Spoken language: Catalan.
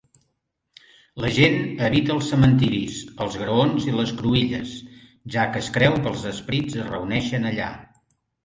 La gent evita els cementiris, els graons i les cruïlles, ja que es creu que els esperits es reuneixen allà.